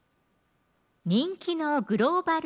人気のグローバル・